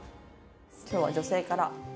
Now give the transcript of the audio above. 今日は女性から。